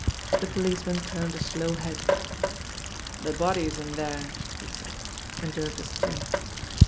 The policeman turned a slow head. " The body is in there," he said, and jerked his chin.